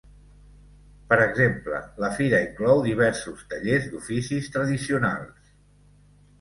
Per exemple, la fira inclou diversos tallers d’oficis tradicionals.